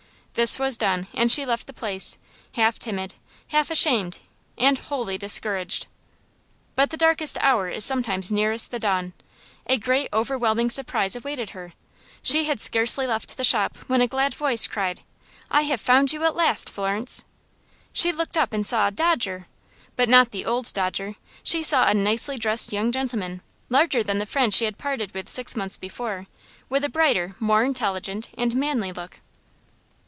This was done, and she left the place, half timid, half ashamed, and wholly discouraged. But the darkest hour is sometimes nearest the dawn. A great overwhelming surprise awaited her. She had scarcely left the shop when a glad voice cried: "I have found you at last, Florence!" She looked up and saw Dodger. But not the old Dodger. She saw a nicely dressed young gentleman, larger than the friend she had parted with six months before, with a brighter, more intelligent, and manly look.